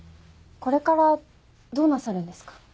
これからどうなさるんですか？